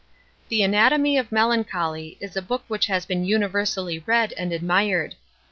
THE ANATOMY OF MELANCHOLY is a book which has been universally read and admired.